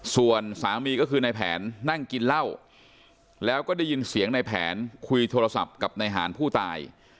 ส่วนสามีก็คือในแผนนั่งกินเหล้าแล้วก็ได้ยินเสียงในแผนคุยโทรศัพท์กับนายหารผู้ตาย